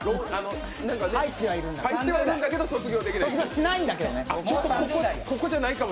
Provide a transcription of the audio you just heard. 入ってはいるんだけど卒業できないと。